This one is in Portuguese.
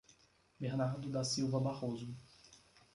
Bernardo da Silva Barroso